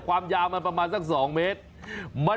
ความยาวมันประมาณสัก๒เมตร